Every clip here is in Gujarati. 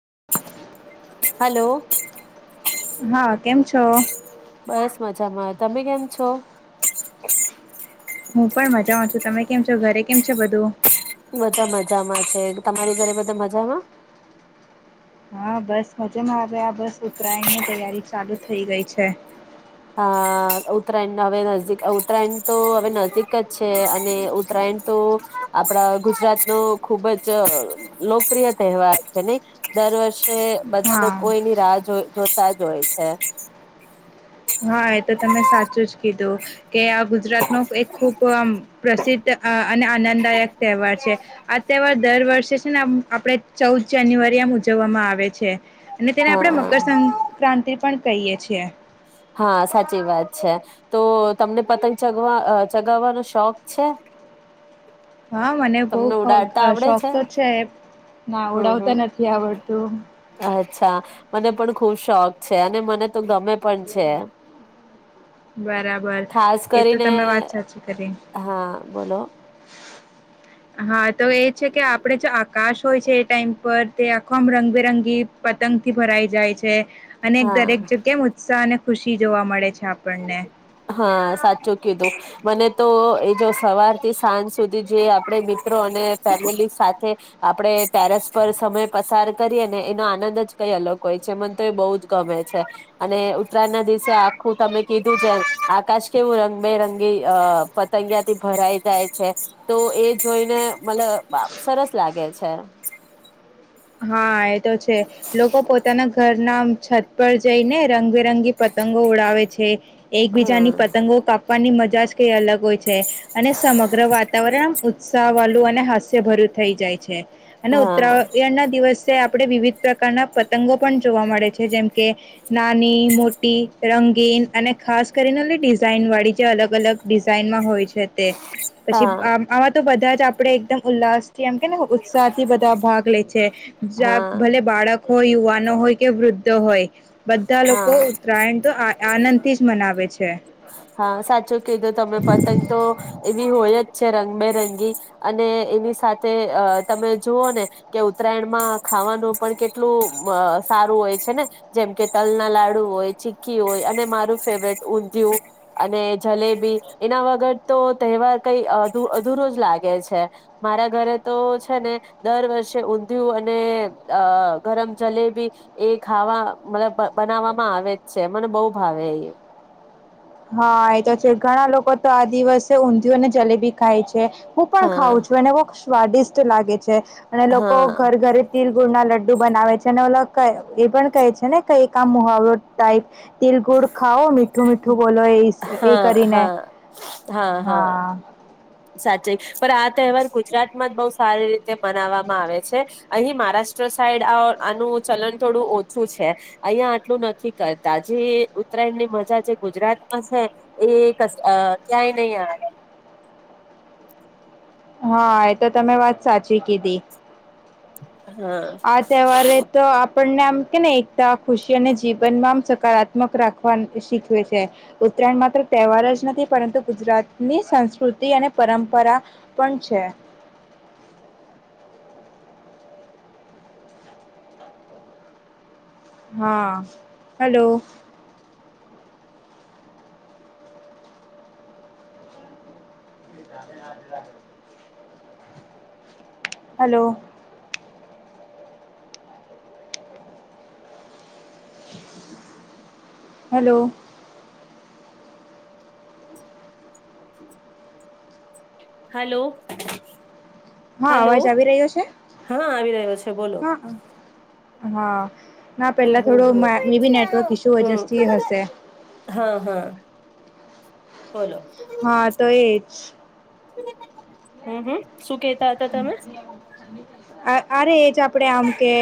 [inaudible] હાલો. હા કેમ છો? બસ મજામાં. તમે કેમ છો? હું પણ મજામાં છું તમે કેમ છો ઘરે કેમ છે બધું? બધા મજામાં છે તમારી ઘરે બધા મજામાં? હા બસ મજામાં આવે આ બસ ઉત્તરાયણની તૈયારી ચાલુ થઇ ગઈ છે. હા ઉત્તરાયણ હવે નક ઉત્તરાયણ તો હવે નજીક જ છે અને ઉત્તરાયણ તો આપડા ગુજરાત નો ખુબ જ લોકપ્રિય તહેવાર છે ને દર વર્ષે બધા હા લોકો એની રાહ જો જોતા જ હોય છે હા એ તો તમે સાચું જ કીધું કે ગુજરાત ન એક ખૂબ પ્રસિદ્ધ અને આનંદદાયક તહેવાર છે આ તહેવાર દર વર્ષે છે ને આ આપણે ચૌદ જાન્યુઆરી આમ ઉજવવામાં આવે છે અને તેને આપણેે હા મકર સંક્રાંતિ પણ કહીએ છીએ હા સાચી વાત છે તો તમને પતંગ ચગ ચગાવવાનો શોખ છે હા મને તમને બહ ઉડાડતા આવડે શોખ તો છે એ ના હમ હમ ઉડાવતા નથી આવડતું અચ્છા મને પણ ખુબ શોખ છે અને મને તો ગમે પણ છે બરાબર ખાસ એ તો કરીને તમે વાત સાચી કરી હા બોલો હા તો એ છે કે આપણે જો આકાશ હોય છે એ ટાઈમ પર તે આખોમાં રંગબેરંગી પતંગથી ભરાઈ જાય છે અને હા દરેક જગ્યા એમ ઉત્સાહ અને ખુશી જોવા મળે છે આપ પને હ સાચું કીધું મને તો એ જો સવારથી સાંજ સુધી જે આપણે મિત્રો અને ફેમિલી સાથે આપણે પેરસ પર સમય પસાર કરીએ ને એનો આનંદ જ કઈ અલગ હોય છે મને તો એ બહુ જ ગમે છે અને ઉત્તરાયણના દિવસે આખું તમે કીધું છે આકાશ કેવું રંગબેરંગી પતંગિયાથી ભરાઈ જાય છે તો એ જોઈને મતલ સરસ લાગે છે હા આ છે લોકો પોતાના ઘરના છત પર જઈને રંગબેરંગી પતંગો ઉડાવે છે એકબીજાની હા પતંગો કાપવાની મજા જાસ અગ અને સમગ્ર વાતાવરણ ઉત્સાહ વા ું અને હાસ્યભર્યું થઈ જાય છે હા ના દિવસે આપણે વિવિધ પ્રકારના પતંગો પણ જોવા મળે છે જેમ કે નાની મોટી રંગીન અને ખાસ કરીને ડિઝાઇન વાળી જે અલગ અલગ ડિઝાઇનમાં હોય છે તે પછી હા આમાં તો બધા જ આપણે એકદમ ઉલ્લાસ થી એમ કેને ઉત્સાહ થી બધા ભાગ લે છે હા ભલે બાળક હો યુવાનો હોય કે વૃદ્ધ હોય બધા લોકો હા ઉત્તરાયણ તો આનંદ થી જ મનાવે છે હા સાચું કીધો તમે પતંગ તો એવી હોય જ છે રંગબેરંગી અને એની સાથે અ તમે જુઓ ને કે ઉત્તરાયણમાં ખાવાનું પણ કેટલું સારું હોય છે ને જેમ કે તલ ના લાડુ હોય ચીકી હોય અને મારું ફેવરેટ ઊંધિયું અને જલેબી એના વગર તો તહેવાર કઈ અધુરો જ લાગે છે મારા ઘરે તો છે ને દર વર્ષે ઊંધિયું અને અ ગરમ જલેબી એ ખાવા મતલબ બનાવવામાં આવે જ છે મને બહુ ભાવે હા એ તો છે ઘણા લોકો તો આ દિવસે ઊંધિયું અને જલેબી ખાય છે હું પણ હા ખાવઉ છું અને સ્વાદિષ્ટ લાગે છે અને લોકો હા ઘર ઘરે તલ ગુળ ના લડ્ડુ બનાવે છે અને ઓલ એ પણ કહે છે ને કઈ આમ મુહાવરો ટાઈપ તિલ ગુડ ખાઓ મીઠ તો ું બોલો એ હા હા કરીને હા સાચી પણ આ તહેવાર ગુજરાતમાં જ બહ સારી રીતે મનાવામાં આવે છે અહીં મહારાષ્ટ્ર સાઈડ આનું ચલન થોડું ઓછું છે અહીંયા આટલું નથી કરતા જે ઉત્તરાયણની મજા જે ગુજરાતમાં છે એ ક્યાંય નહી આવે હા એ તો તમે વાત સાચી કીધી [inaudible] આ તહેવાર તો ણને આમ કેને એકતા ખુશી અને જીવનમાં સકારાત્મક રાખવા શીખવે છે ઉત્તરાયણ માત્ર તહેવાર જ નથી પરંતુ ગુજરાતની સંસ્કૃતિ અને પરંપરા પણ છે હા હલો [inaudible] હલો હલો હલો હા હલો અવાજ આવી રહ્યો છે હા આવી રહ્યો છે બોલો હા હા ના હમ પહેલા થોડો હમ મેીબી નેટવર્ક ઈશ્યુ હમ વથી હશે હા હા બોલો હા તો એજ હમ હમ શું કેતા હતા તમે અ અરે ચ આપ કપડે આમકે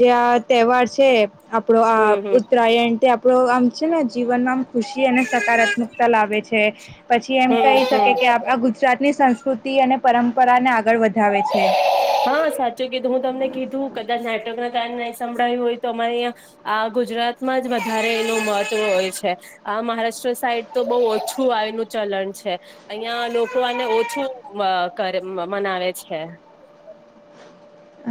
જે આ તહેવાર છે આપડો આ હમ હમ ઉત્તરાયણ તે આપડો આમ છે જી જીવનમાં ખુશી અને સકારાત્મકતા લાવે છે પછી એમ હમ કહી હમ શકે કે આ ગુજરાતની સંસ્કૃતિ અને પરંપરા ને આગળ વધાવે છે હા સાચું કીધું હું તમને કીધું કદાચ નાટવર્ક ના કાર સંભળાય હોય તો અમારે અ ગુજરાત માં જ વધારે એું મહત્વ હોય છે આ મહારાષ્ટ્ર સાઈડ તો બહ ઓછું આવેનું ચલણ છે અહિયાં લોકો આને ઓછું કરે મનાવે છે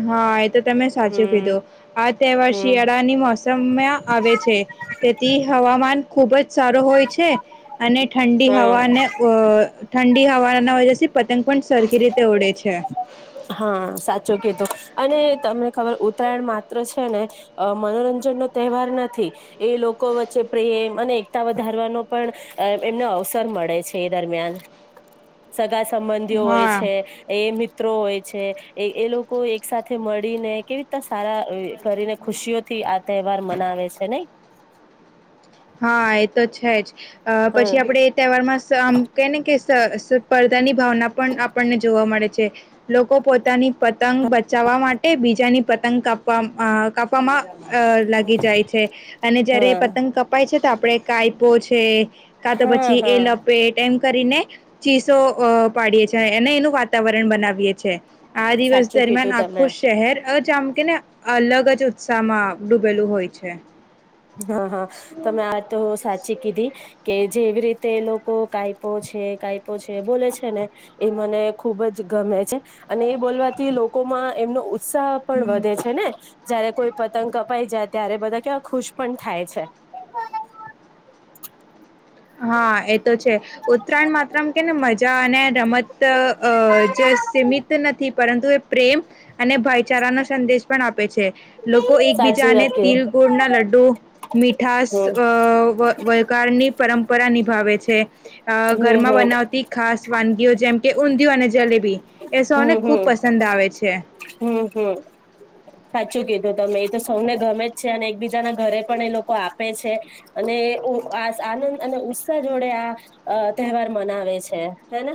હા આ તો તમે સાચું હમ કીધું આ તહેવાર હમ શિયાળાની મોસમમાં આવે છે તેથી હવામાન ખૂબ જ સારો હોય છે અને ઠંડી હવા હ ને અ ઠંડી હવાના વજથી પતંગ પણ સરખી રીતે ઓડે છે હા સાચું કીધું અને તમને ખબર ઉત્તરાયણ માત્ર છે ને મનોરંજન નો તહેવાર નથી એ લોકો વચ્ચે પ્રેમ અને એકતા વધારવાનો પણ એમને અવસર મળે છે એ દરમિયાન સગા સંબંધીઓ હોય હા છે એ મિત્રો હોય છે એ લોકો એક સાથે મળીને કેવી રીના સારા કરીને ખુશીઓથી આ તહેવાર મનાવે છે નને હા એ તો જ છે જ હા પછી આપડે એ તહેવાર માં મ કેને કે સ્પર્ધાની ભાવના પણ આપણને જોવા મળે છે લોકો પોતાની પતંગ બચાવવા માટે બીજાની પતંગ કાપવા કાપવામાં અ લાગી જાય છે અને જયારે હા પતંગ ક છે તો આપડે કાપો છે કા તો હા પછી એ હા લપેટ એમ કરીને ચીસો અ પાડીએ છે અનેને એનું વાતાવરણ બનાવીએ છ છેએ આ દિવસ સાચું કીધું દરમિયાન તમે આખું શહેર જ આમ કે ને અલગ જ ઉત્સાહ માં ડૂબેલું હોય છે હા હા તમે આ તો સાચી કીધી કે જેવી રીતે તે લોકો કાાયપો છે કાપો છે બોલે છે ને એ મને ખુબ જ ગમે છે અને એ બોલવાથી લોકોમાં એમનો ઉત્સાહ પણ વધે છે ને જયારે કોઈ પતંગ કપાઈ જાય ત્યારે બધા કેવા ખુશ પણ થાય છે હા એ તો છે ઉત્તરાયણ માત્રમ કે ને મજા અને રમત અ જે સીમિત નથી પરંતુ એ પ્રેમ અને ભાઈચારા નો સંદેશ પણ આપે છે લોકો સાચી એકબીજાને વાત કે તિલ ગુળના લડ્ડુ મીઠશ હમ વલગની પરંપરા નિભાવે છે અ હમ ઘરમાં હમ બનાવતી ખાસ વાનગીઓ જેમ કે ઊંધિય અને જલેબી એ સૌને હમ ખુબ હમ પસંદ આવે છે હમ હમ સાચું કીધું તમે એ તો સૌને ગમે જ છે અને એકબીજાના ઘરે પણ એ લોકો આપે છે અને આ આનંદ અને ઉત્સાહ જોડે આ તહેવાર મનાવે છે હેને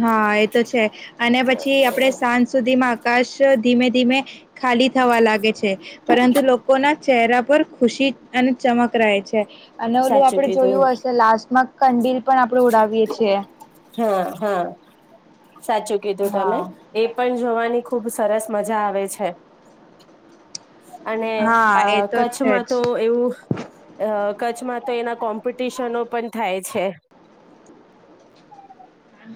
હા એ તો છે અને પછી આપડે સાંજ સુધીમાં આકાશ ધીમે ધીમે ખાલી થવા લાગે છે છે પરંતુ લોકોના ચહેરા પર ખુશી અને ચમક રહે છે અને ઓલું સાચું આપડે કીધું જોયું હશે લાસ્ટમાં કં પણ આપડણે ઉડાવીએ છીએ હા હા સાચું કીધું તમે હા એ પણ જોવાની ખુબ સરસ મજા આવે છે અને હા એ તો છે કચ્છમાં તો જ એવું અ કચ્છમાં તો એના કોમ્પિટિશનો પણ થાય છે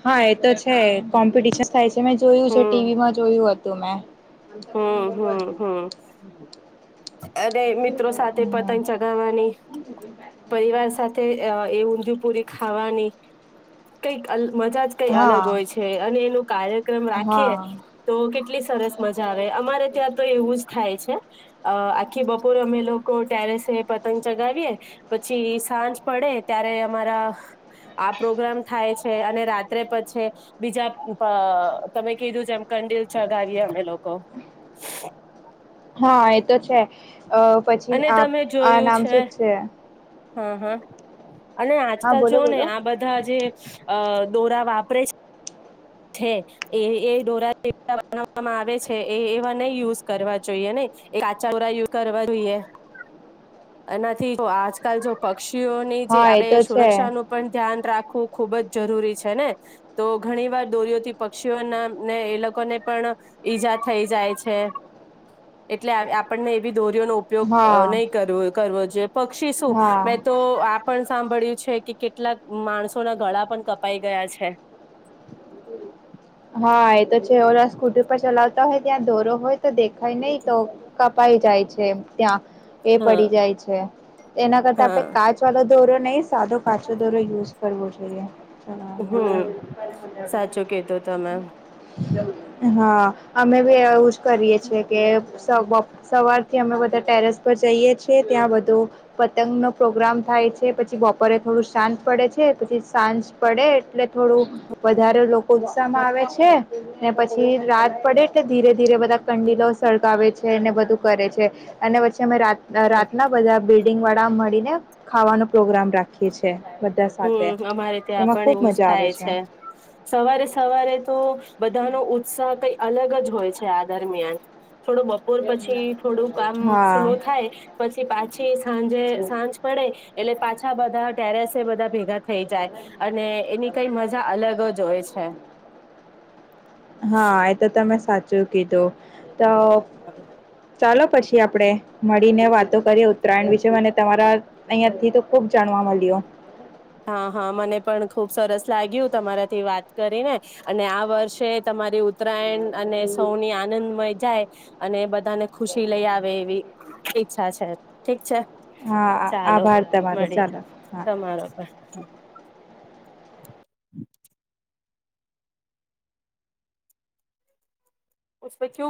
હા એ તો છે કોમ્પિટિશન થાય છે જે મેં જોયું છે હમ ટીવીમાં જોયું હતું તો મેં હમ હમ હમ અને મિત્રો સાથે પતંગ ચગાવવાની પરિવાર સાથે એ ઊંધિયું પૂરે ખાવાની કઈક મજા જ કઈ હા અલગ હોય છે અને એનું કાર્યક્રમ હા રાખીએ તો કેટલી સરસ મજા મજ આવે અમારે ત્યાં તો એવું જ થાય છે અ આખી બપોરે અમે લોકો ત્યારે છે પતંગ ચગાવીએ પછી સાંજ પડે ત્યારે અમારા આ પ્રોગ્રામ થાય છે અને રાત્રે પછી બીજા તમે કીધું જેમ કંડિલ ચગાવીએ અમે લોકો હા એ તો છે અ પછી અને આ તમે આ જોયું નામ શું જ છે હા હા અને હા આજકાલ બોલો જોઓ ને બોલો આ બધા જે દોરા વાપરે છે છે એ એ દોરા બનાવવામાં આવે છે એ એવા નહી યુઝ કરવા જોઈએ નને એ કાચા ઓરા યુ કરવા જોઈએ એનાથી આજકાલ જો પક્ષીઓની જે હા એ તો આપણે છે સુરક્ષા નું પણ ધ્યાન રાખું ખૂબ જ જરૂરી છે ને તો ઘણી વાર દોરીઓથી પક્ષીઓને એ લોકોને પણ ઈજા થઈ જાય છે એટલે આપણને એવી દોરીઓ નો ઉપયોગ હા નહી કર કરવો જોઈએ પક્ષી શું હા મેં તો આ સાંભળ્યું છે કે કેટલાક માણસો ના ગળા પણ કપાઈ ગયા છે હા સ્કૂટી પર ચલા તો ત્યાં દોરો હોય તો દેખાય નહીં તો કપાઈ જાય છે ત્યાં એ હા પડી જાય છે એના કરતા આપડે હા કાચ વાળો દોરો નય સાદો કાચો દોરો યુઝ કરવો જોઈએ. હમ [inaudible] સાચું કીધું તમે હા અમે બી એવું જ કરીએ છે કે સવારથી અમે બધા ટેરેસ પર જઈએ છીએ ત્યાં બધો પતંગનો પ્રોગ્રામ થાય છે પછી બપોરે થોડું શાંત પડે છે પછી સાંજ પડે એટલે થોડું વધારે લોકો તમ આવે છે ને પછી રાત પડે એટલે ધીરે ધીરે બધા કંડીલો સળગાવે છે ને બધું કરે છે અને પછી અમે રા રાતના બધા બેડ વાળા મળીને ખાવાનો પ્રોગ્રામ રાખીએ છે. બધા સાથે હમ અમારે ત્યાં એમાં પણ ખુબ એવું જ મજા આવે થાય છે. સવારે સવારે તો બધાનો ઉત્સાહ કઈ અલગ જ હોય છે આ દરમિયાન થોડો બપોર પછી થોડું કામ હા સ્લો થાય પછી પાછી સાંજે સાંજ પડે એટલે પાછા બધા ટેરેસ બધા ભેગા થઈ જાય અને એની કઈ મજા અલગ જ હોય છે. હા એ તો તમે સાચું કીધું તો ચાલો પછી આપણેે મળીને વાતો કરીએ ઉત્તરાયણ વિશે મને તમારા અહિયાંથી તો ખુબ જાણવા મલયુ હા હા મને પણ ખુબ સરસ લાગ્યું તમારાથી વાત કરીને અને આ વર્ષે તમારી ઉત્તરાયણ અને સૌની આનંદમય જાય અને બધાને ખુશી લઈ આવે એવી છા છે ઠીક છે. હા ચાલો આભાર તમારો મળીએ ચાલો હા તમારો [inaudible] [inaudible]